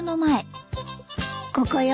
ここよ。